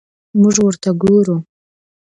موږ ورته ګورو.